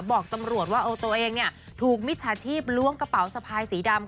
บอกตำรวจว่าตัวเองถูกมิจฉาชีพล้วงกระเป๋าสะพายสีดำ